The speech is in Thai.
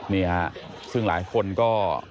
นี่ครับซึ่งหลายคนก็